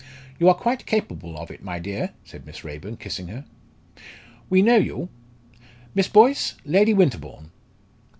"You are quite capable of it, my dear," said Miss Raeburn, kissing her. "We know you! Miss Boyce Lady Winterbourne."